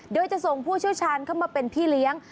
โดยจะส่งผู้เชี่ยวชาญเข้ามาเป็นพี่เลี้ยง